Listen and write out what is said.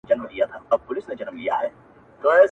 دا د قامونو د خپلویو وطن!